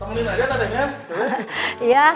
temenin aja tadi ya